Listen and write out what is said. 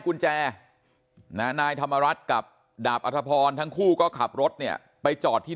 กุญแจนะนายธรรมรัฐกับดาบอัธพรทั้งคู่ก็ขับรถเนี่ยไปจอดที่